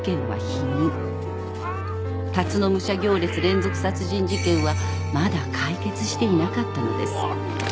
［龍野武者行列連続殺人事件はまだ解決していなかったのです］